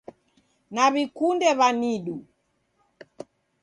Naw'ikunde w'anidu